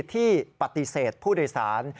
ที่ปฏิเสธผู้โดยสาร